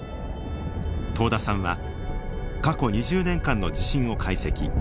遠田さんは過去２０年間の地震を解析。